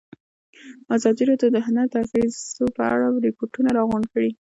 ازادي راډیو د هنر د اغېزو په اړه ریپوټونه راغونډ کړي.